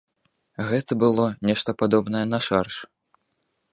Гэта было нешта падобнае на шарж.